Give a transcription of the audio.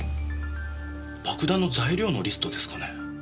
爆弾の材料のリストですかね。